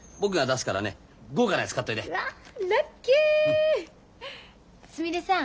すみれさん